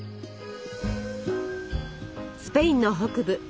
スペインの北部